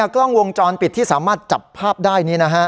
กล้องวงจรปิดที่สามารถจับภาพได้นี้